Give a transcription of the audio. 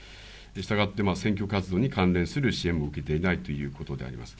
したがって選挙活動に関連する支援も受けていないということであります。